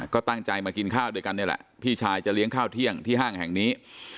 ก็ตั้งใจมากินข้าวด้วยกันนี่แหละพี่ชายจะเลี้ยงข้าวเที่ยงที่ห้างแห่งนี้